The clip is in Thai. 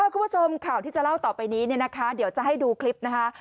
คุณผู้ชมข่าวที่จะเล่าต่อไปนี้เนี่ยนะคะเดี๋ยวจะให้ดูคลิปนะคะ